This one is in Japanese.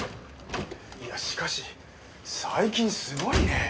いやしかし最近すごいね。